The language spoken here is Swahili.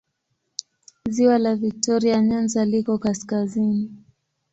Ziwa la Viktoria Nyanza liko kaskazini.